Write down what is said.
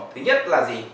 thứ nhất là